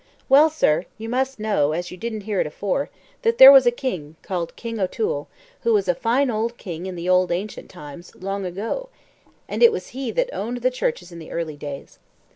Well, sir, you must know, as you didn't hear it afore, that there was a king, called King O'Toole, who was a fine old king in the old ancient times, long ago; and it was he that owned the churches in the early days.